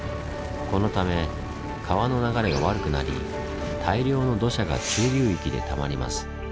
このため川の流れは悪くなり大量の土砂が中流域でたまります。